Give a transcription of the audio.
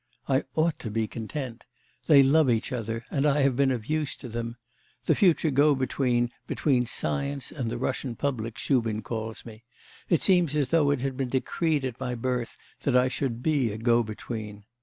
I ought to be content. They love each other, and I have been of use to them.... The future go between between science and the Russian public Shubin calls me; it seems as though it had been decreed at my birth that I should be a go between.